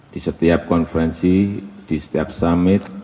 di setiap konferensi di setiap summit